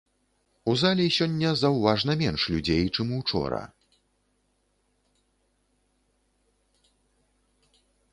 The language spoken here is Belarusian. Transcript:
У залі сёння заўважна менш людзей, чым учора.